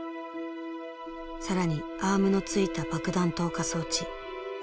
更にアームのついた爆弾投下装置。